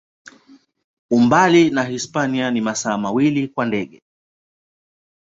Umbali na Hispania ni masaa mawili kwa ndege.